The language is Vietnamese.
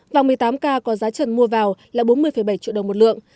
vàng một mươi tám k có giá trần mua vào là bốn mươi bảy triệu đồng một lượng